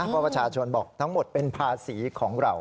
เพราะประชาชนบอกทั้งหมดเป็นภาษีของเรา